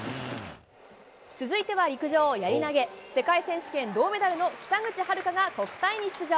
続いては陸上、やり投げ、世界選手権銅メダルの北口榛花が国体に出場。